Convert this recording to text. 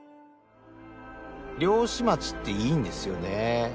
漁師町っていいんですよね。